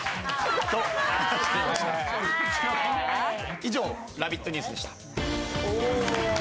以上、「ラヴィット！ニュース」でした。